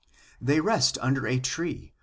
They rest under a tree